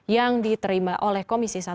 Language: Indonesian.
yang diterima oleh komisi satu